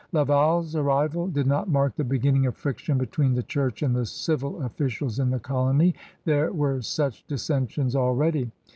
Laval's arrival did not mark the beginning of friction between the Chiux^ and the civil ofBcials in the colony; there were such dissensions already.